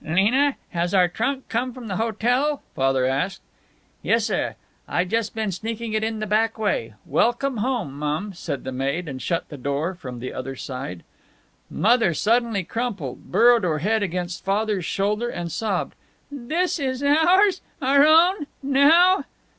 "Lena, has our trunk come from the hotel?" Father asked. "Yessir, I just been sneaking it in the back way. Welcome home, mum," said the maid, and shut the door from the other side. Mother suddenly crumpled, burrowed her head against Father's shoulder and sobbed: "This is ours? Our own? Now?"